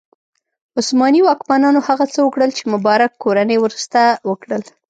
عثماني واکمنانو هغه څه وکړل چې مبارک کورنۍ وروسته وکړل.